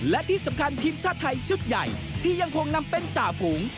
และที่สำคัญทีมชาติไทยชุดใหญ่ที่ยังคงนำเป็นจ่าฝูง